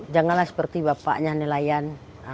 janganlah seperti bapaknya nih layan